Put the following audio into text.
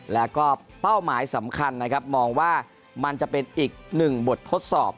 แล้วก็เป้าหมายสำคัญนะครับมองว่ามันจะเป็นอีกหนึ่งบททดสอบ